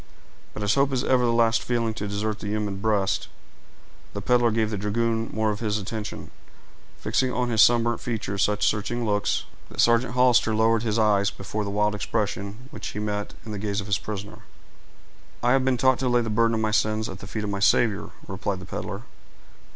But as hope is ever the last feeling to desert the human breast, the peddler gave the dragoon more of his attention, fixing on his sunburned features such searching looks, that Sergeant Hollister lowered his eyes before the wild expression which he met in the gaze of his prisoner. "I have been taught to lay the burden of my sins at the feet of my Savior," replied the peddler.